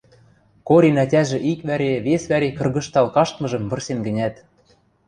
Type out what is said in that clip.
Корин ӓтяжӹ ик вӓре, вес вӓре кыргыжтал каштмыжым вырсен гӹнят